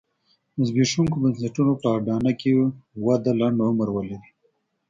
د زبېښونکو بنسټونو په اډانه کې وده لنډ عمر ولري.